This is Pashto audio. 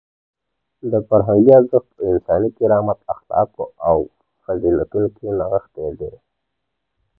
د فرهنګ ارزښت په انساني کرامت، اخلاقو او فضیلتونو کې نغښتی دی.